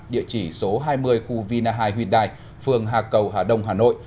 địa chỉ số hai mươi khu vinahai huynh đài phường hà cầu hà đông hà nội